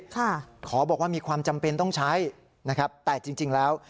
ขอบอกว่ามีความจำเป็นต้องใช้นะครับแต่จริงจริงแล้ว